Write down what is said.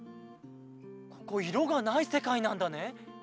ここいろがないせかいなんだね。